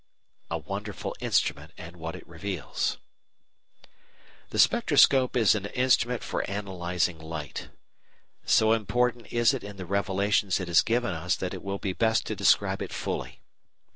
A WONDERFUL INSTRUMENT AND WHAT IT REVEALS The spectroscope is an instrument for analysing light. So important is it in the revelations it has given us that it will be best to describe it fully.